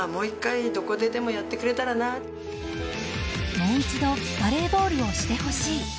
もう一度バレーボールをしてほしい。